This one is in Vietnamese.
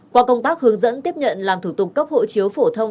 qua công tác hướng dẫn tiếp nhận làm thủ tục cấp hộ chiếu phổ thông